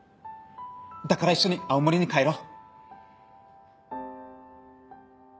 だから一緒に青森に帰ろう。